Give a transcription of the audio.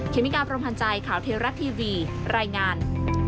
เคมิการประพันธ์ใจข่าวเทราะห์ทีวีรายงาน